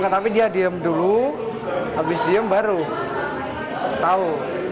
tapi dia diem dulu setelah diem baru tau